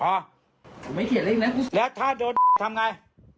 ผมไม่เขียนเลขนะครูสุดแล้วถ้าโดนทำไง